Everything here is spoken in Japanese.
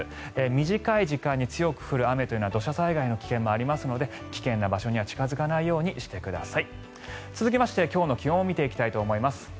短い時間に強く降る雨というのは土砂災害の危険もありますので危険な場所には近付かないようにしてください。